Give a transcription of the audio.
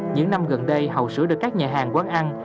những năm gần đây hầu sữa được các nhà hàng quán ăn